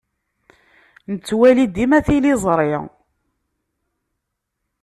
Nettwali dima tiliẓṛi.